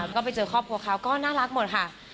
ก็ไปเจอครอบครัวเขาก็น่ารักหมดค่ะ